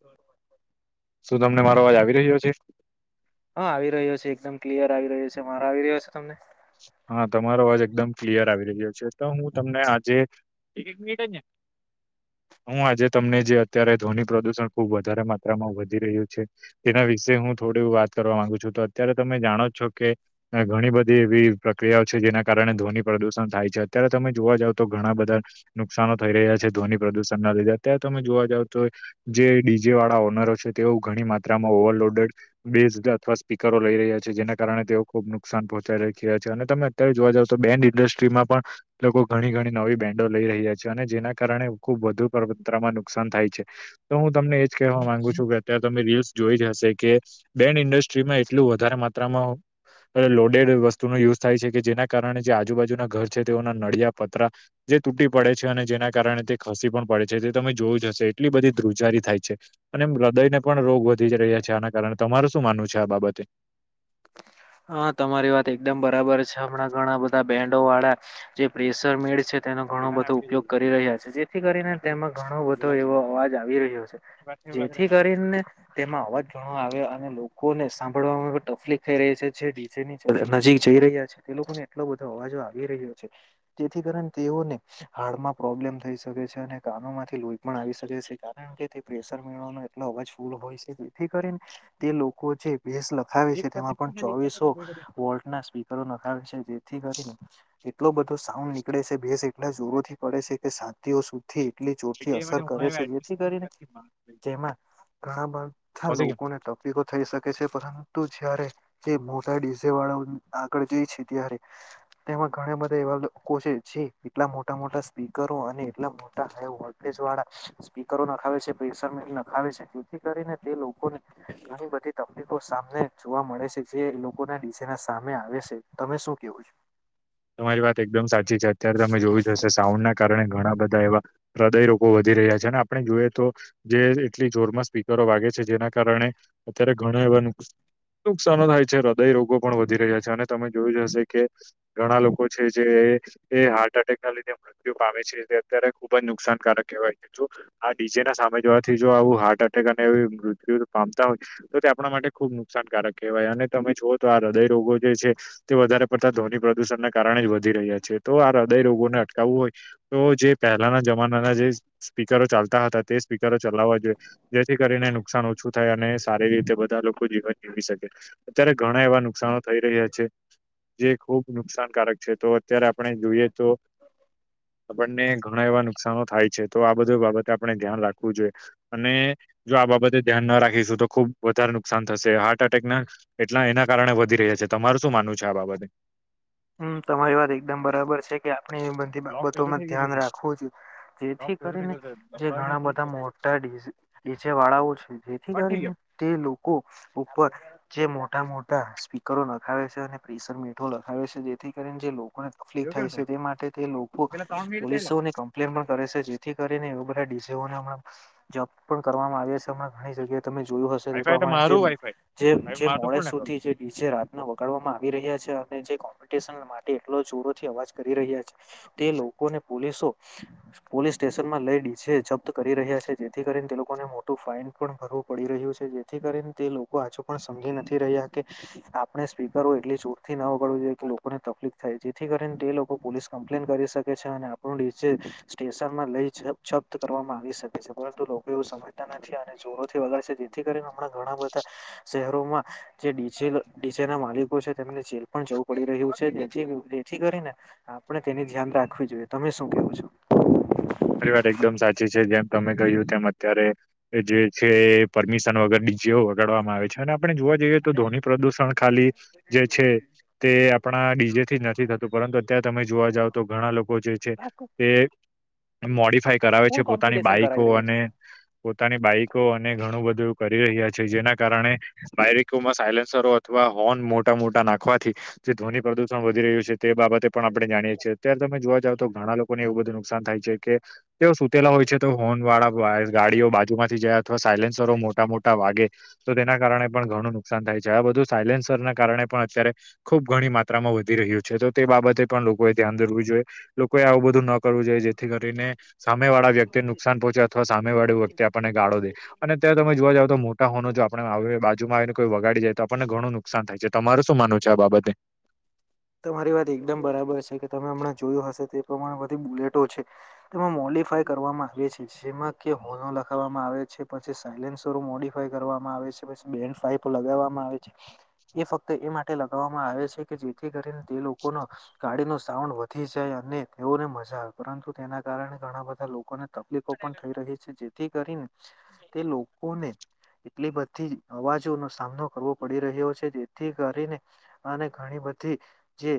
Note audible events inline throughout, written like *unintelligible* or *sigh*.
બબ. *unintelligible* શું તમને મારો અવાજ આવી રહ્યો છે? હા, આવી રહ્યો છે, એકદમ ક્લિયર આવી રહ્યો છે, મારો આવી રહ્યો છે તમને? હા, તમારો અવાજ એકદમ ક્લિયર આવી રહ્યો છે, તો હું તમને આજે મીઠ જને હું આજે તમને જે અત્યારે ધ્વનિ ખુબ વધારે માત્રામાં રહ્યું છે. વિશે હું થોડી વાત કરવા માંગુ છું તો અત્યારે તમે જાણો છો કે ઘણી બધી એવી પ્રક્રિયાઓ છે જેના કારણે ધ્વન પ્રદુષણ છે અત્યારે જોવા જાવ તો ઘણા બધા નુકસાાન થઈ છે ધ્વનિ પ્રદુષણ ના લીધે તમે જોવા જાવ તો જે ડીજે વાળા ઓનરો છે તેઓ ઘણી માત્રામાં ઓવરલોડેડ બેઝ અથવા સ્પીકરો લઈ રહ્યા છે જેના કારણે તેઓ ખુબ નુકસાન પહોંચાઈ રહ્યા છે. ખ છે અને તમે અત્યારે જોવા જાવ તો બેન્ડ ઇન્ડસ્ટ્રીમાં પણ લોકો ઘણી ઘણી નવી બેન્ડો લઈ રહ્યા છે અને જેના કારણે ખુબ વધુ પરપમાં નુકસાન થાય છે. તો હું તમને એજ કહેવા માંગુ છું કે અત્યારે તમે રીલ્સ જોઈ જ હશે કે બેન્ડ ઇન્ડસ્ટ્રીમાં એટલું વધારે માત્રામાં લોડેડ વતુ ન યુઝ થાય છે કે જેના કારણે જે આજુબાજુના ઘર છે તેઓના નળિયા પતરા જે તૂટી પડે છે અને જેના કારણે તે ખસી પણ પડે છે તે તમે જોવું જ હશે એટલી બધી ધ્રુવજારી થાય છે. અને એમ હૃદયને પણ રોગ વધી રહ્યા છે આના કારણે તમારું શું માનવું છે આ બાબતે? હા તમારી વાત એકદમ બરાબર છે હમણાં ઘણા બધા બેન્ડો વાળા જે પ્રેેશર મેળશે, તેનો ઘણો બધો ઉપયોગ કરી રહ્યા છે જેથી કરીને તેમાં ઘણો બધો એવો અવાજ આવી રહ્યો છે. જેથી કરીને, તેમાં અવાજ ઘણો આવ અને લોકોને સાંભળવામાં ટફલી ખાઈ રહી છે. જે ડીજે ની નજીક જઈ રહ્યા છે તે લોકો ને એટલો બધો અવાજો આવી રહ્યો છે. તેથી કારણે તેઓને, હારડમાં પ્રોબ્લેમ થઈ શકે છે અને કનો માંથી લોહી પણ આવી શકે છે કારણ જેથી પ્રેશર મેળવવાનો એટલો અવાજ ફૂલ હોય છે જેથી કરીને તે લોકો જે ભસ લ, આવે છે તેમાં પણ ચોવીસો વોલ્ટના સ્પીકરો નખાવે છે જેથી કરીને, એટલો બધો સાઉન્ડ નીકળે છે ભસ એટલા જરોથી પડે છે કે સાથીઓ સુધ થી એટલી ચોટથી એટલે માટે અસર કરે હમણાં છે એડમિશન જેથી કરીને, તેમાં ઘણા બધા પહોંચી ગયો લોકોને તકલીફો થઈ શકે છે પરંતુ જ્યારે, જે મોટા ડી ઝે વાળાઓ ન આગળ જાય છે ત્યારે, તેમાં ઘણા બધા એવા લોકો છે જે એટલા મોટા મોટા સ્પીકરો અને એટલા, મોટા હે વોલ્ટેજ વાળા, સ્પીકરો નખાવે છે, પ્રેશર મીટર નખાવે છે, જેથી કરીને તે લોકોને, ઘણી બધી તકલીફો સામને જોવા મળે છે. જે એ લોકો ના ડીસાા ના સામે આવે છે તમે શું ક્યુ છો. તમારી વાત એકદમ સાચી છે અત્યારે તમે જોયું જશે સાઉન્ડ ના કારણે ઘણા બધ એવા હૃદય રોગો વધી રહ્યા છે અને આપણે જોઈએ તો, જે એટલી જોરમાં સ્પીકરો વાગે છે જેના કારણે અત્યારે ઘણા એવા નુક નુકસાાન થાય છે, હૃદય રોગો પણ વધી રહ્યા છે અને તમે જોયું જશે કે, ઘણા લોકો છે જે, તે હાર્ટ એટેક ના લીધે મૃત્યુ પામે છે તે અત્યારે ખુબ જ નુકસાનકારક કહેવાય છે જો આ ડીજે ના સામે જોવાથી જો આવું હાર્ટ એટેક અને એ મૃત્યુ પામતા હોય, તો તે આપણા માટે ખુબ નુકસાનકારક કહેવાય અને તમે જુઓ તો આ હૃદય રોગો જે છે. તે વધારે પડતા ધ્વની પ્રદુષણને કારણે જ વધી રહ્યા છે તો આ હૃદય રોગોને અટકાવવું હોય. તો જે પહેલાના જમાનાના જે સ્પીકરો ચાલતા હતા તે સ્પીકરો ચલાવવા જોઈએ. જેથી કરીને નુકસાન ઓછું થાય અને સારી રીતે બધા લોકો જીવન જીવી શકે. અત્યારે ઘણા એવા નુકસાન થઈ રહ્યા છે જે ખુબ નુકસાનકારક છે, તો અત્યારે આપણે જોઈએ તો. આપણને ઘણા એવા નુકસાન થાય છે, તો આ બધું બાબતે આપણે ધ્યાન રાખવું જોઈએ. અને જો આ બાબતે ધ્યાન ના રાખીશું તો, ખુબ વધારે નુકસાન થશે, હાર્ટ એટેકના એટલા એના કારણે વધી રહ્યા છે, તમારું શું માનવું છે આ બાબતે? હમ, તમારી વાત એકદમ બરાબર છે કે, આપણી બધી લોક પેલું બાબતોમાં થઈ ગયેલું ધ્યાન છે રાખવું જ લોક જેથી પેલું થઈ કરીને ગયેલું છે જે દબાવીને ઘણા બધા કટ મોટા ડી ડીજે વાળાઓ છે, જેથી થઈ કરીને ગયો તે લોકો ઉપર જે મોટા મોટા સ્પીકરો નખાવે છે, અને પ્રેશર મીઠો આવે છે, જેથી કરીને જે લોકોને તકલીફ એવું થાય કેમ છે, તે માટે તે લોકો પેલા ત્રણ મિનિટ થયેલા પોલીસોને ક લે પણ કરે છે, જેથી કરીને એ લોકોના ડીજેઓના હમણાં જોબ પણ કરવામાં આવ્યા છે, હમણા ઘણી જગ્યાએ તમે જોયું હશે. એ વાઈફાઈ તો પ્રમાણે જે મારું વાઈફાઈ જે જે મારું તો મોડે ફૂલ નેટવર્ક સુધી જે એ જે રાતને વગાડવામાં આવી રહ્યા છે, અને જે કોમ્પિટિશન માટે એટલો જોરોથી અવાજ કરી રહ્યા છે. તે લોકોને પોલીસો પોલીસ સ્ટેશન માં લઈ ડીજે જપ્ત કરી રહ્યા છે, જેથી કરીને તે લોકોને મોટું ફાઇન પણ ભરવું. પડી રહ્યું છે, જેથી કરીને તે લોકો હજુ પણ સમજી નથી રહ્યા કે આપણે સ્પીકર એટલી જોર ના વગાડવું જોઈએ કે, લોકોને તકલીફ થાય જેથી કરીને, તે લોકો પોલીસ કમ્પ્લેન કરી શકે છે, અને થોડું નીચે સ્ટેશનમાં લઈ જપ્ત જપ્ત કરવામાં આવી શકે છે, પરંતુ લોકો એવું સમય તા નથી, અને જોરોથી વગાડે છે, જેથી કરીને હમણાં ઘણા બધા શહેરોમાં જે ડીજે ડીજે ના માલિકો છે, તેમને જેલ પણ જવું પડી રહ્યું છે, જેથી થી કરી ને, આપણે તેની ધ્યાન રાખવી જોઈએ, તમે શું કેવો છો? પરિવાર એકદમ સાચી છે, જેમ તમે કહ્યું તેમ અત્યારે જે છે, પરમિશન વગરની જેવ વગાડવામાં આવે છે, અને આપણે જોવા જઈએ. તો ધોની પ્રદુષણ ખાલી જે છે. તે આપણા ડીજેથી જ નથી થતું, પરંતુ અત્યારે તમે જોવા જાવ તો ઘણા લોકો જે છે આ તે. મોડિફાય કરાવે ફૂલ છે, પોતાની કોમ્પિટિશન બાઈકો કરાવી રહ્યા છે. અને પોતાની બાઈકો અને ઘણું બધું કરી રહ્યા છે, જેના કારણે બાઈકકોમાં સાયલેન્સરો અથવા હોર્ન મોટા-મોટા નાખવાથી જે ધ્વનિ પ્રદુષણ વધી રહ્યું છે, તે બાબતે પણ આપણે જાણીએ છીએ, અત્યારે તમે જોવા જાવ તો, ઘણા લોકોને એવું બધું નુકસાન થાય છે. જે કે તેઓ સુતેલા હોય છે, તો ફોન વાળા ગાડીઓ બાજુ માંથી જયા અથવા સાયલન્સરો મોટા-મોટા વાગે તો તેના કારણે પણ ઘણું નુકસાન થાય છે, આ બધું સાયલેન્સરના કારણે પણ અત્યારે ખુબ ઘણી માત્રામાં વધી રહ્યું છે, તો તે બાબતે પણ લોકોએ ધ્યાન ધરવું જોઈએ. બીજું કોઈએ આવું બધું ન કરવું જોઈએ, જેથી જેથી કરીને સામે વાળા વ્યક્તિને નુકસાન પહોંચે, અથવા સામે વાળી વ્યક્તિ આપણને ગાળો દે. અને ત્યાં તમે જોવા જાઓ તો મોટા હોનો, જો આપણે બાજુમાં આવીને કોઈ વગાડી જાય તો, આપણને ઘણું નુ નુકસાન થાય છે, તમારું શું માનવું છે આ બાબતે? તમારી વાત એકદમ બરાબર છે કે, તમે હમણાં જોયું હશે, તે પ્રમાણે બધી બુલેટો છે. તેમાં મોલિફાય કરવામાં આવે છે, જેમાં કે હોલો લખવામાં આવે છે, પછી સાયલેન સરો મોડીફાય કરવામાં આવે છે, પછી બેન્ડ ફાઈ લગાવવામાં આવે છે, એ ફક્ત એ માટે લગાવવામાં આવે છે, કે જેથી કરીને તે લોકોનો ગાડી નું સાઉન્ડ વધી જાય, અને તેઓને મજા આવે, પરંતુ તેના કારણે ઘણા બધા લોકોને તકલીફો પણ થઈ રહી છે, જેથી કરીને તે લોકોને એટલી બધી જ અવાજોનો સામનો કરવો પડી રહ્યો છે જેથી કરીને અને ઘણી બધી જે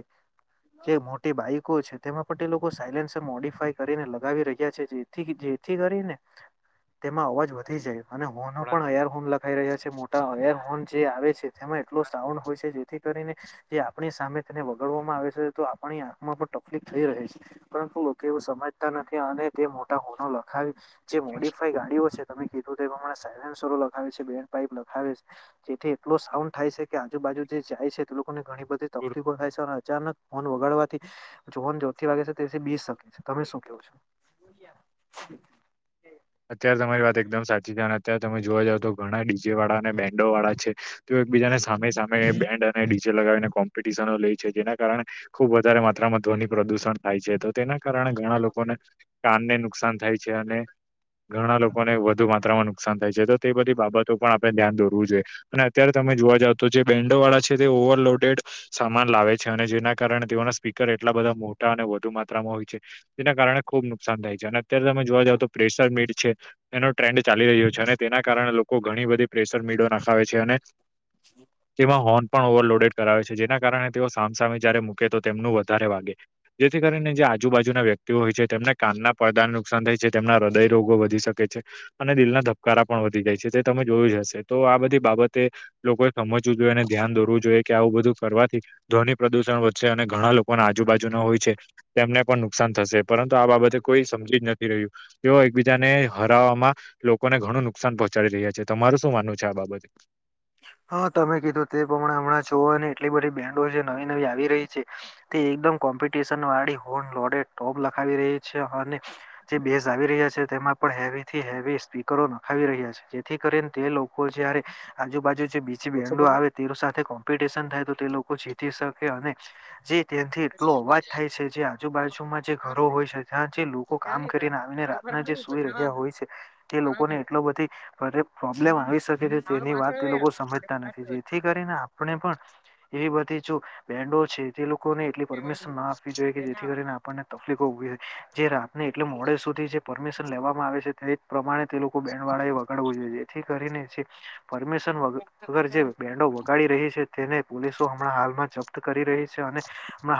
જે મોટી બાઈકો છે. તેમાં પણ તે લોકો સાયલેન્સર મોડીફાય કરીને લગાવી રહ્યા છે. જે થી જેથી કરીને તેમાં અવાજ વધી જાય અને હોર્નો પણ *unintelligible* હોર્ન લગાઈ રહ્યા છે મોટા *unintelligible* હોર્ન જે આવે છે તેમાં એટલો સાઉન્ડ હોય છે જેથી જેથી કરીને જે આપણી સામે તેને વગાડવામાં આવે છે. તો આપણી આંખમાં પણ તકલીફ થઈ રહે છે. પરંતુ લોકો એવું સમજતા નથી અને તે મોટા હોર્નૉ લખાવી જે મોડીફાઈ ગાડીઓ છે. તમે કીધું તે પ્રમાણે સાયલન્સરો લખાવે છે બેન્ડ પાઈપ લખાવે છે. જેથી એટલો સાઉન્ડ થાય છે કે આજુબાજુ જે જાય છે. તે લોકોને ઘણી બધી તકલીફો થાય છે અને અચાનક હોર્ન વગાડવાથી જો હોર્ન જોરથી વાગે છે. તેથી બી શકે છે. તમે શું કેવો છો? *inaudible* અત્યારે તમારી વાત એકદમ સાચી છે અને અત્યારે તમે જોવા જાવ તો ઘણા ડીજે વાળા અને બેન્ડો વાળા છે. તેઓ એકબીજાને સામે સામે બેન્ડ અને ડીજે લગાવીને કોમ્પટિશનો લે છે જેના કારણે ખુબ વધારે માત્રામાં ધ્વની પ્રદુષણ થાય છે. તો તેના કારણે ઘણા લોકોને કાનને નુકસાન થાય છે અને ઘણા લોકોને વધુ માત્રામાં નુકસાન થાય છે. તો તે બધી બાબતો પર આપણે ધ્યાન દોરવું જોઈએ. અને અત્યારે તમે જોવા જાવ તો જે બેન્ડો વાળા છે. તે ઓવરલોડેડ સામાન લાવે છે અને જેના કારણે તેઓના સ્પીકર એટલા બધા મોટા અને વધુ માત્રામાં હોય છે. તેના કારણે ખુબ નુકસાન થાય છે અને અત્યારે તમે જોવા જાવ તો પ્રેશર મીડ છે એનો ટ્રેન્ડ ચાલી રહ્યો છે અને તેના કારણે લોકો ઘણી બધી પ્રેશર મીડો નખાવે છે અને તેમાં હોન પણ ઓવરલોડેડ કરાવે છે. જેના કારણે તેઓ સામસામે જયારે મૂકે તો તેમનું વધારે વાગે. જેથી કરીને જે આજુબાજુના વ્યક્તિઓ હોય છે. તેમને કાનના પડદાને નુકસાન થાય છે. તેમના હૃદય રોગો વધી શકે છે અને દિલના ધબકારા પણ વધી જાય છે. જે તમે જોયું જ હશે તો આ બધી બાબતે લોકોએ સમજવું જોઈએ ને ધ્યાન દોરવું જોઈએ કે આવું બધું કરવાથી ધ્વની પ્રદુષણ વધશે અને ઘણા લોકોના આજુબાજુના હોય છે. તેમને પણ નુકસાન થશે પરંતુ આ બાબતે કોઈ સમજી જ નથી રહ્યું તેઓ એકબીજાને હરાવવામાં લોકોને ઘણું નુકસાન પહોચાડી રહ્યા છે. તમારું શું માનવું છે આ બાબતે? હા તમે કીધું તે પ્રમાણે હમણાં જોવાને એટલી બધી બેન્ડો જે નવી નવી આવી રહી છે. તે એકદમ કોમ્પિટિશન વાળી હોર્ન લોર્ડેડ ટોપ લખાવી રહી છે અને જે બેઝ આવી રહ્યા છે તેમાં પણ હેવી થી હેવી સ્પીકરો નખાવી રહ્યા છે. જેથી કરીને તે લોકો જયારે આજુબાજુ જે જે બેન્ડો આવે તેઓ સાથે કોમ્પિટશન થાય તો તે લોકો જીતી શકે અને જે ત્યાંથી એટલો અવાજ થાય છે. જે આજુબાજુમાં જે ઘરો હોય છે. ત્યાં જે લોકો કામ કરીને આવીને ના જે સુઈ રહ્યા હોય છે તે લોકોને એટલો બધી હદે પ્રોબ્લેમ આવી શકે છે. તેની વાત તે લોકો સમજતા નથી જેથી કરીને આપણે પણ એવી બધી જો બેન્ડો છે. જે લોકોને એટલી પરમિશન ના આપવી જોઈએ કે જેથી કરીને આપણને તકલીફો ઉભી થાય. જે રાતને એટલે મોડે સુધી જે પરમિશન લેવામાં આવે છે. તે પ્રમાણે તે લોકો બેન્ડ વાળા એ વગાડવું જોઈએ જેથી કરીને જે પરમિશન વગર જે બેન્ડો વગાડી રહી છે. તેને પોલીસો હમણાં હાલમાં જપ્ત કરી રહી છે અને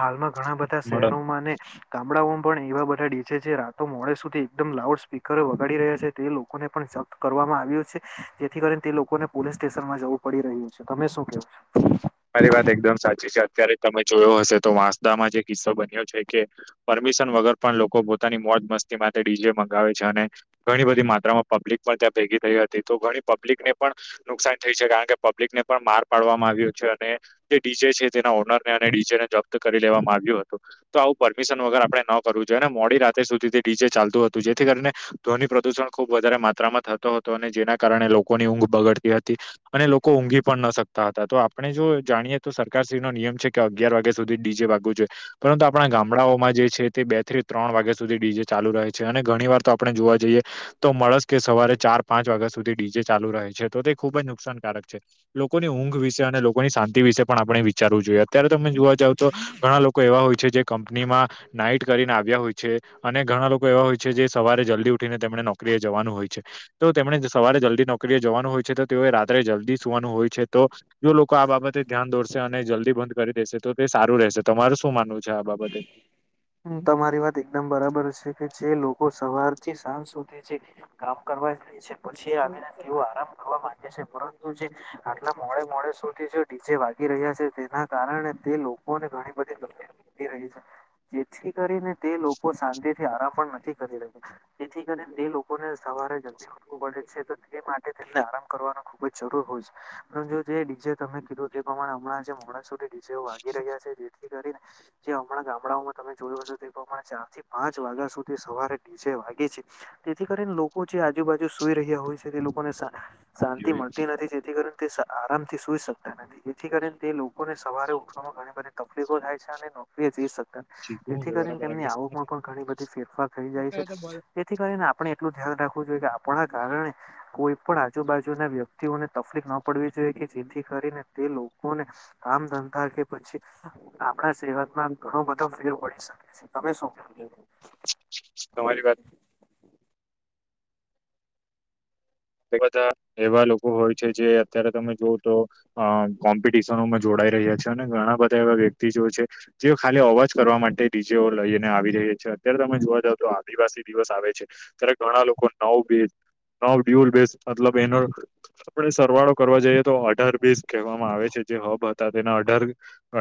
હાલમાં ઘણા બધા શહેરોમાં અને ગામડાઓમાં પણ એવા બધા ડીજે છે. જે રાતો મોડે સુધી એકદમ લાઉડ સ્પીકરે વગાડી રહ્યા છે. તે લોકોને પણ કરવામાં આવ્યું છે. જેથી કરીને તે લોકોને પોલીસ સ્ટેશનમાં જવું પડી રહ્યું છે. તમે શું કેવો છો? તમારી વાત એકદમ સાચી છે. અત્યારે તમે જોયો હશે તો વાંસદામાં જે કિસ્સો બન્યો છે કે પરમિશન વગર પણ લોકો પોતાની મોજ મસ્તી માટે ડીજે મંગાવે છે અને ઘણી બધી માત્રામાં પબ્લિક પણ ભેગી થઈ હતી તો ઘણી પબ્લિક ને પણ નુકસાન થઈ છે કારણ કે પબ્લિક ને પણ માર પાડવામાં આવ્યું છે. ને જે ડીજે છે તેના ઓનરને અને ડીજે ને જપ્ત કરી લેવામાં આવ્યું હતું. તો આવું પરમિશન વગર આપણેે ન કરવું જોઈએને મોડી રાત્રે સુધીથી ડીજે ચાલતું હતું જેથી કરીને ધોની પ્રદુષણ ખૂબ વધારે માત્રામાં થતો હતો અને જેના કારણે લોકોની ઊંઘ બગડતી હતી. અને લોકો ઊંઘી પણ ન શક્તા હતા તો આપ અને જો જાણીએ તો સરકારશ્રી નો નિયમ છે કે અગિયાર વાગ્યા સુધી ડીજે વાગવું જોઈએ. પરંતુ આપણા ગામડાઓમાં જે છે તે બે થી ત્રણ વાગ્યા સુધી ડીજે ચાલુ રહે છે અને ઘણી વાર તો આપણે જોવા જઈએ તો મળસ કે સવારે ચાર-પાંચ વાગ્યા સુધી ડીજે ચાલુ થાય. જે ખુબ જ નુકસાનકારક છે લોકોની ઊંઘ વિશે અને લોકોની શાંતિ વિશે પણ આપણે ચાલવું જોઈએ અત્યારે તમે જોવા જાવ તો ઘણા લોકો એવા હોય છે જે કંપનીમાં નાઈટ કરીને આવ્યા હોય છે. અને ઘણા લોકો એવા હોય છે જે સવારે જલ્દી ઉઠીને તેમને નોકરી એ જવાનું હોય છે. તો તેમણે સવારે જલ્દી નોકરીએ જવાનું હોય છે તો તેઓ રાત્રે જલ્દી સુવાનું હોય છે તો જો લોકો આ બાબતે ધ્યાન દોરશે અને જલ્દી બંધ કરી દેશે તો તે સારું રહેશે તમારે શું માનવું છે આ બાબતે? હમ તમારી વાત એકદમ બરાબર છે કે જે લોકો સવાર થી સાંજ સુધી છે. કામ કરવા રઈ છે પછી. આવીને તેઓ આરામ કરવા માંગે છે પરંતુ જે આટલા મોડે-મોડે સુધી જે ડીજે વાગી રહ્યા છે તેના કારણે તે લોકોને ઘણી બધી તકલીફો રહી છે જેથી કરીને તે લોકો શાંતિ થી આરામ પણ નથી કરી રહ્યા. તેથી કરી એ લોકોને સવારે જ પડે છે તો તે માટે તેમને આરામ કરવાનું ખુબ જ જરૂર હોય છે. પરંતુ જે ડીજે તમે કીધું એ પ્રમાણે હમણાં જે મોડા સુધી જે વાગી રહ્યા છે જેથી કરીને. જે હમણાં ગામડાઓમાં તમે જોયું હશે તે પ્રમાણે ચાર થી પાંચ વાગ્યા સુધી સવારે ડીજે વાગે છે. તેથી કરીને લોકો જે આજુ-બાજુ સુઈ રહ્યા હોય છે તે લોકોને શાંતિ મળતી નથી જેથી કરી તે આરામ થી સુઈ શકતા નથી. જેથી કરીને તે લોકોને સવારે ઉઠવામાં ઘણી બધી તકલીફો થાય છે અને શીખવું તેથી કરીને બરાબર આગ તેમની આવકમાં પણ ઘણી બધી ફેરફાર થઈ જાય છે તેથી કરીને આપણે એટલું ધ્યાન રાખવું જોઈએ કે આપણા કારણે કોઈ પણ આજુ-બાજુના વ્યક્તિઓને તકલીફ ન પડવી જોઈએ કે જેથી કરીને તે લોકોને કામ ધંધા કે પછી આપણા સેવા ઘણો બધો ફેર વી શકે છે તમે શું કેઉ? તમારી વાત એ બધા એવા લોકો હોય છે જે અત્યારે તમે જોવ તો અ કોમ્પિડિશનોમાં જોડાઈ રહ્યા છે અને ઘણા બધા એવા વ્યક્તિ જેવા છે. જે ખાલી અવાજ કરવા માટે ડિજેઓ લઈને આવી રહ્યા છે અત્યારે તમે જોવા જાવ તો આદિવાસી દિવસ આવે છે ત્યારે ઘણા લોકો નવ-બે... યુ આર બેસ્ટ મતલબ એનો આપણે સરવાળો કરવા જઈએ તો અઢાર-બીસ કહેવામાં આવે છે જે હબ હતા તેના અઢાર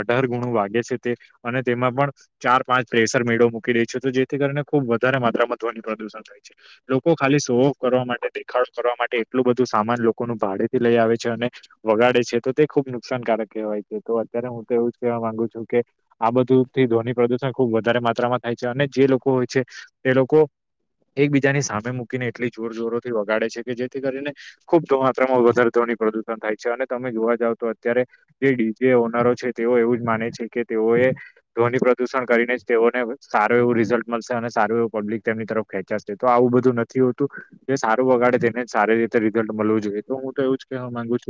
અઢાર ગુણો વાગે છે અને તેમાં પણ ચાર-પાંચ પ્રેસર મેળો મુકી રહે છે તો જેથી કારણે ખુબ વધારે માત્રામાં ધ્વનિ પ્રદૂષણ થાય છે. લોકો ખાલી સો કરવા માટે નહી. દેખાડ કરવા માટે એટલું બધું સામાન લોકોનું ભાડે થી લઈ આવે છે અને વગાડે છે તો તે ખુબ નુકસાનકારક કહેવાય છે તો અત્યારે હું તો એવું જ કેવા માંગુ છું કે આ બધું તે ધ્વનિ પ્રદૂષણ ખુબ વધારે માત્રામાં થાય છે અને જે લોકો હોય છે એ લોકો... એકબીજાની સામે મૂકીને એટલી જોરજરોથી વગાડે છે કે જેથી કરીને. ખુબ તો વધારે થની પ્રદુષણ થાય છે અને જોવા જાવ તો અત્યારે જે ડીજ ઓનરો છે તેઓ માને છે કે તેઓ એ ધ્વિ પ્રદુષણ કરીને જ તેઓને સારું એવું રિઝલ્ટ. મળશે અને સારું એવું પબ્લિક તેમની તરફ ખેચાશે તો આવું બધું નથી હોતું. જે સારું વગાડે તેને જ સારી રિઝલ્ટ મળવું જોઈએ તો હું તો એવું કે હું માંગુ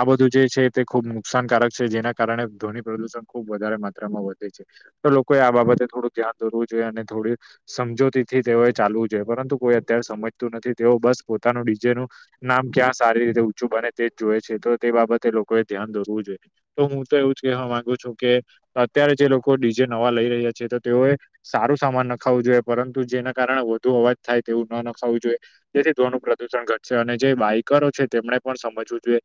આ બધું જે છે તે ખુબ નુકસાનકારક છે જેના કારણે ધ્વની પ્રદુષણ ખુબ વધારે માત્રામાં વધે છે. તો લોકોએ આ બાબતે થોડું ધ્યાન દોરવું જોઈએ અને થોડ સમજૂતીથી તેઓએ ચાલવું છે પરંતુ કોઈ અત્યારે સમજતું નથી તેઓ બસ પોતાનું ડીજે નું નામ ક્યાં સારી રીતે ઊંચું બને તે જ જોઈ છે તો તે બાબતે લોકોએ ધ્યાન દોરવું જોઈએ. તો હું તો એવું જ કહેવા માંગુ છું કે અત્યારે જે લોકો ડીજે નવા લઈ રહ્યા છે તો તેઓએ. સારું સામાન નખાવું જોઈએ પરંતુ જેના કારણે વધુ અવાજ થાય તેવું નખાવું જોઈએ. તેથી ધોનું પ્રદુષણ ઘટશે અને જે બાઈકરો છે તેમને પણ સમજવું જોઈએ.